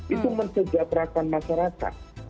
itu mencegah perakan masyarakat